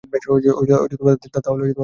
বেশ, তাহলে জাপান চল।